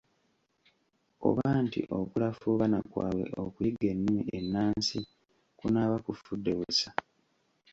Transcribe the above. Oba nti okulafuubana kwabwe okuyiga ennimi ennansi kunaaba kufudde busa.